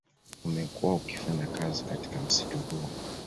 Umekuwa ukifanya kazi katika msitu huu